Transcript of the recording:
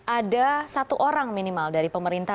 ada satu orang minimal dari pemerintah